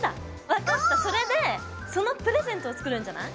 分かったそれでそのプレゼントを作るんじゃない？